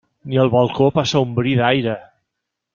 Ni al balcó passa un bri d'aire.